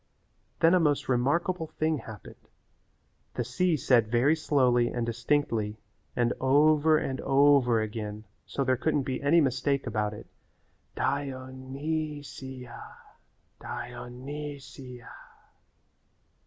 Then a most remarkable thing happened. The sea said very slowly and distinctly and over and over again so there couldn't be any mistake about it, "Di o ny si a, Di o ny si a."